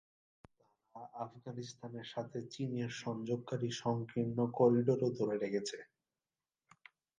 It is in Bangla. তারা আফগানিস্তানের সাথে চীনের সংযোগকারী সংকীর্ণ করিডোরও ধরে রেখেছে।